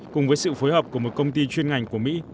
cùng với sự phối hợp của một công ty chuyên ngành của mỹ